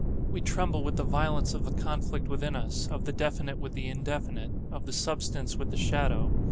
We tremble with the violence of the conflict within us,—of the definite with the indefinite—of the substance with the shadow.